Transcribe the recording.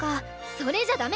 それじゃダメ！